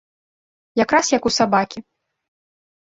Якраз як у сабакі.